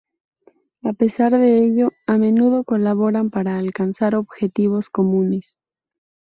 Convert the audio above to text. A pesar de ello, a menudo colaboran para alcanzar objetivos comunes.